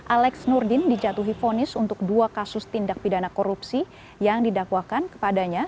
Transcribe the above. alex nurdin dijatuhi vonis untuk dua kasus tindak pidana korupsi yang didakwakan kepadanya